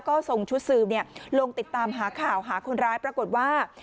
ก็ส่งชุดสืบลงติดตามหาข่าวหาคนร้ายปรากฏว่า